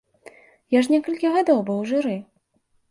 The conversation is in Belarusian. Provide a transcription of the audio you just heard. Я ж некалькі гадоў быў у журы!